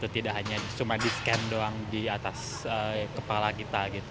tidak hanya cuma di scan doang di atas kepala kita